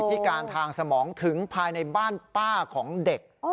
พิการทางสมองถึงภายในบ้านป้าของเด็ก